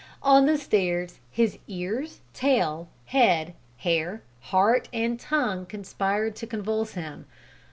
On the stairs, his ears, tail, head, hair, heart, and tongue conspired to convulse him.